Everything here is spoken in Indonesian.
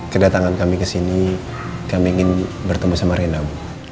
kedatangan kami kesini kami ingin bertemu sama rena bu